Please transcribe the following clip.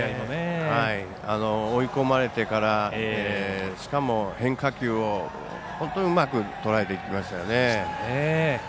追い込まれてからしかも、変化球を本当にうまくとらえていきましたよね。